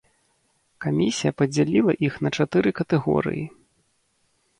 Камісія падзяліла іх на чатыры катэгорыі.